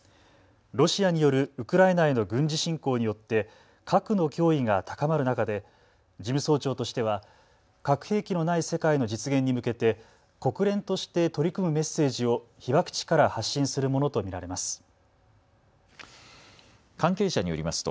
ロシアによるウクライナへの軍事侵攻によって核の脅威が高まる中で事務総長としては核兵器のない世界の実現に向けて国連として取り組むメッセージを被爆地から発信するものと見られます。